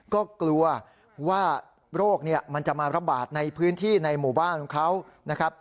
ก็กลัวว่าโรคมันจะมาระบาดในพื้นที่ในหมู่บ้านของเขานะครับ